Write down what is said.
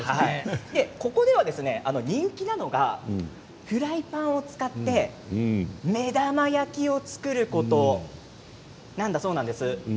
ここで人気なのがフライパンを使って目玉焼きを作ることなんだそうです。